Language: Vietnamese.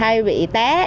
hay bị té